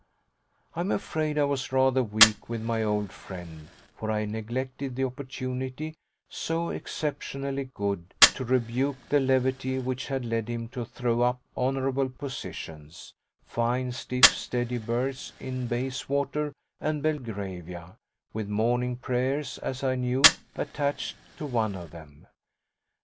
I'm afraid I was rather weak with my old friend, for I neglected the opportunity, so exceptionally good, to rebuke the levity which had led him to throw up honourable positions fine stiff steady berths in Bayswater and Belgravia, with morning prayers, as I knew, attached to one of them.